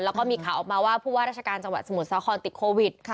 แล้วก็มีข่าวออกมาว่าผู้ว่าราชการจังหวัดสมุทรสาครติดโควิด